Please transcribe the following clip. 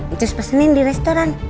njus pesenin di restoran